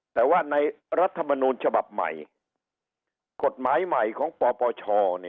แต่ว่าในรัฐมนูลฉบับใหม่กฎหมายใหม่ของปปช